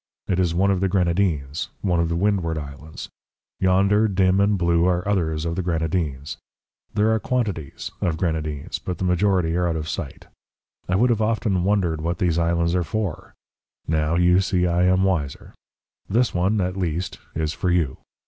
It is one of the Grenadines one of the Windward Islands. Yonder, dim and blue, are others of the Grenadines. There are quantities of Grenadines, but the majority are out of sight. I have often wondered what these islands are for now, you see, I am wiser. This one at least is for you.